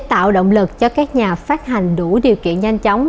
tạo động lực cho các nhà phát hành đủ điều kiện nhanh chóng